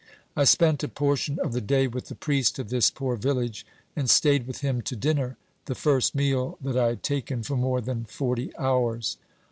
I spent a portion of the day with the priest of this poor village and stayed with him to dinner, the first meal that I had taken for more than forty hours.